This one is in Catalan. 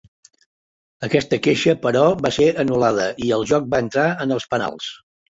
Aquesta queixa, però, va ser anul·lada, i el joc va entrar en els penals.